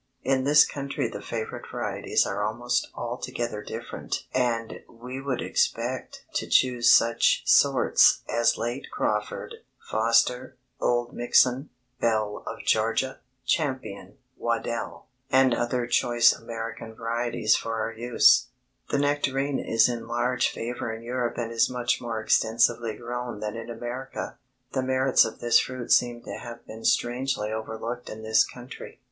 In this country the favorite varieties are almost altogether different and we would expect to choose such sorts as Late Crawford, Foster, Old Mixon, Belle of Georgia, Champion, Waddell, and other choice American varieties for our use. [Illustration: FIG. 35 PEACH TREES TRAINED UNDER GLASS] The nectarine is in large favor in Europe and is much more extensively grown than in America. The merits of this fruit seem to have been strangely overlooked in this country.